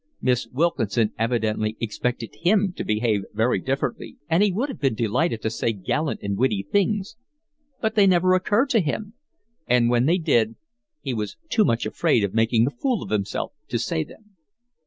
Miss Wilkinson evidently expected him to behave very differently; and he would have been delighted to say gallant and witty things, but they never occurred to him; and when they did he was too much afraid of making a fool of himself to say them.